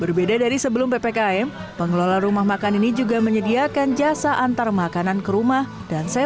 berbeda dari sebelum ppkm pengelola rumah makan ini juga menyediakan jasa antar makanan ke rumah